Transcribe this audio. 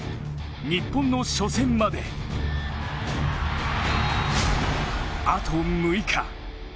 日本の初戦まであと６日！